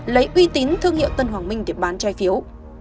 lấy uy tín thương hiệu tân hoàng minh để bán trái phiếu